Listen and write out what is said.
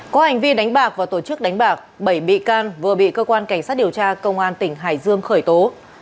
có hành vi đánh bạc và tổ chức đánh bạc bảy bị can vừa bị cơ quan cảnh sát điều tra công an tỉnh hải dương khởi tố